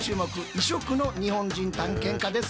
異色の日本人探検家です。